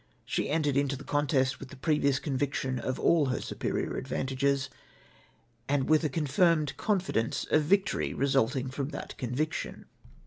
She entered into the contest with the previous conviction of all her superior advantages, and with a confirmed confidence of victory resulting from that conviction.